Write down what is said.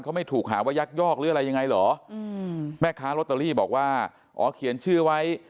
เขาไม่ถูกหาว่ายักยอกหรืออะไรยังไงเหรออืมแม่ค้าลอตเตอรี่บอกว่าอ๋อเขียนชื่อไว้